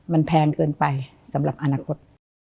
มันแพงเกินไปสำหรับอนาคต